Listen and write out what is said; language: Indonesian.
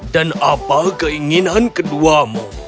dan apa keinginan keduamu